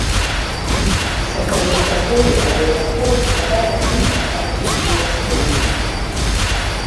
Цэнтр мітраполіі абавязкова супадае з цэнтрам архідыяцэзіі.